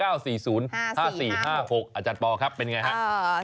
อาจารย์ปอล์ครับเป็นอย่างไรครับ